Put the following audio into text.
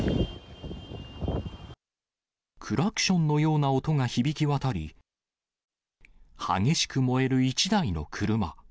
クラクションのような音が響き渡り、激しく燃える１台の車。